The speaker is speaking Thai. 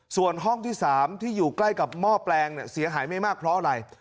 ส่วนห้องที่๓ที่อยู่ใกล้กับหม้อแปลงเสียหายไม่มากเพราะอะไร